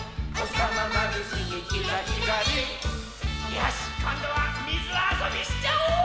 よーし、こんどはみずあそびしちゃおー！